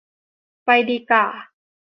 ไปดีก่า